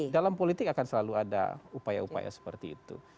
dalam politik akan selalu ada upaya upaya seperti itu